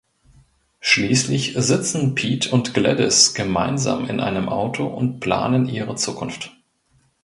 Schließlich sitzen Pete und Gladys gemeinsam in einem Auto und planen ihre Zukunft.